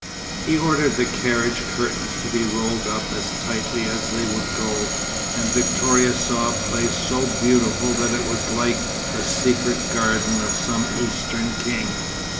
He ordered the carriage curtains to be rolled up as tightly as they would go, and Victoria saw a place so beautiful that it was like the secret garden of some Eastern king.